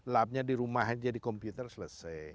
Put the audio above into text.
labnya di rumah aja di komputer selesai